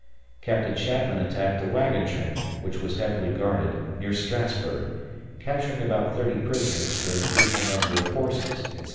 Captain Chapman attacked a wagon train, which was heavily guarded, near Strassburg, capturing about 30 prisoners with an equal number of horses, etc.